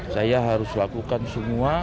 saya harus lakukan semua